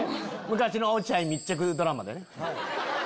昔の落合密着ドラマでね。